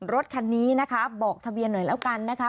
รถคันนี้นะคะบอกทะเบียนหน่อยแล้วกันนะคะ